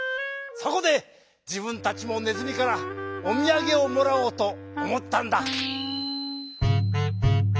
そこでじぶんたちもねずみからおみやげをもらおうとおもったんだ。